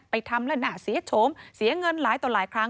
ทำแล้วน่าเสียโฉมเสียเงินหลายต่อหลายครั้ง